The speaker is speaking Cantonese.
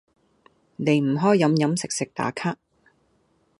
離唔開飲飲食食打卡